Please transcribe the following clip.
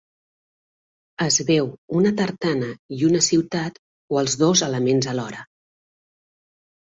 Es veu una tartana i una ciutat o els dos elements alhora.